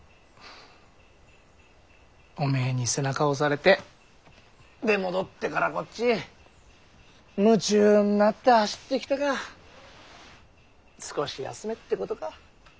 おめえに背中を押されて出戻ってからこっち夢中になって走ってきたが少し休めってことか。